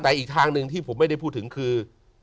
แต่อีกทางหนึ่งที่ผมไม่ได้พูดถึงคือ